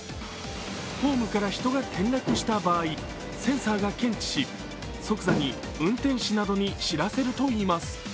ホームから人が転落した場合センサーが検知し、即座に運転士などに知らせるといいます。